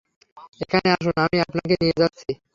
এখানে আসুন আমি আপনাকে নিয়ে যাচ্ছি।